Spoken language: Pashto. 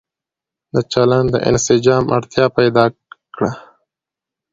د چلن د انسجام اړتيا پيدا کړه